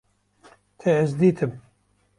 Te ez dîtim